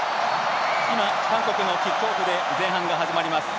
韓国のキックオフで前半が始まりました。